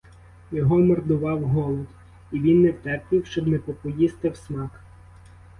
Його мордував голод, і він не втерпів, щоб не попоїсти всмак.